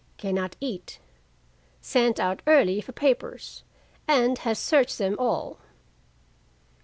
Can not eat. Sent out early for papers, and has searched them all.